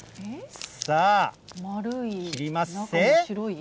さあ、切りまっせ。